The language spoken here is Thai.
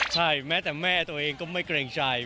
ใช่แม้แต่แม่ตัวเองก็ไม่เกรงใจ